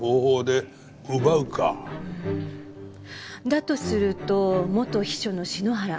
だとすると元秘書の篠原。